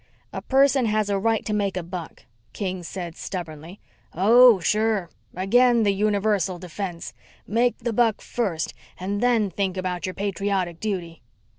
"A person has a right to make a buck," King said stubbornly. "Oh, sure. Again the universal defense. Make the buck first and then think about your patriotic duty."